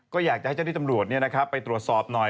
ก็อยากจะให้เจ้าที่จำรวจเนี่ยนะครับไปตรวจสอบหน่อย